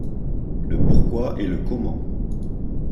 Le pourquoi et le comment.